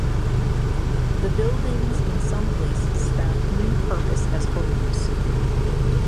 The buildings in some places found new purpose as homes.